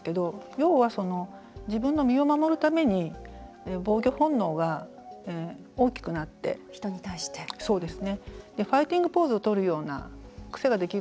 要は、自分の身を守るために防御本能が大きくなってファイティングポーズをとるような癖ができるんですよ。